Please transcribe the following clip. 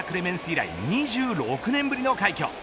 以来２６年ぶりの快挙。